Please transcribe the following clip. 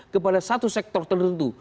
kepada satu sektor tertentu